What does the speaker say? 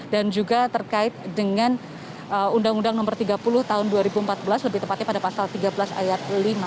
dan juga terkait dengan undang undang no tiga puluh tahun dua ribu empat belas lebih tepatnya pada pasal tiga belas ayat lima